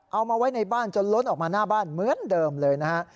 เอามาไว้ในบ้านจนล้นออกมาหน้าบ้านเหมือนเดิมเลยนะฮะ